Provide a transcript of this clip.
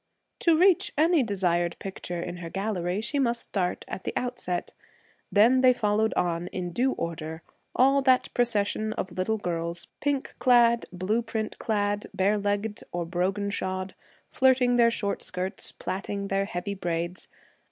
To reach any desired picture in her gallery, she must start at the outset. Then they followed on, in due order all that procession of little girls: pink clad, blue print clad, bare legged or brogan shod; flirting their short skirts, plaiting their heavy braids.